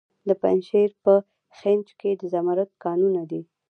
د پنجشیر په خینج کې د زمرد کانونه دي.